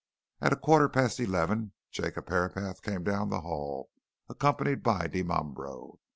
At a quarter past eleven Jacob Herapath came down the Hall, accompanied by Dimambro.